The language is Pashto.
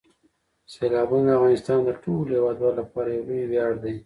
سیلابونه د افغانستان د ټولو هیوادوالو لپاره یو لوی ویاړ دی.